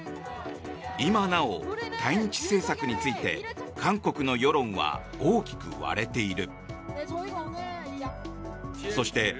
今なお対日政策について韓国の世論は大きく割れている。